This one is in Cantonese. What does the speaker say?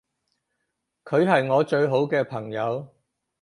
佢係我最好嘅朋友